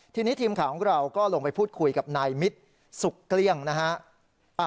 ทีนี้ทีมข่าวของเราก็ลงไปพูดคุยกับนายมิตรสุขเกลี้ยงนะฮะ